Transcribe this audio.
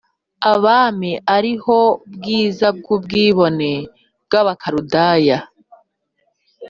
abami ari ho bwiza bw ubwibone bw Abakaludaya